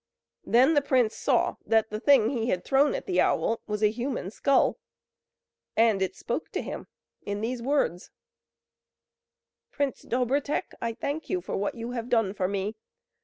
Then the prince saw that the thing he had thrown at the owl was a human skull. And it spoke to him, in these words: "Prince Dobrotek, I thank you for what you have done for me.